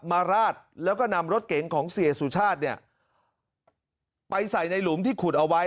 ราดแล้วก็นำรถเก๋งของเสียสุชาติเนี่ยไปใส่ในหลุมที่ขุดเอาไว้